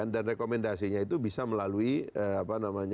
dan rekomendasinya itu bisa melalui apa namanya